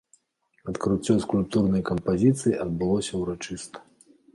Адкрыццё скульптурнай кампазіцыі адбылося ўрачыста.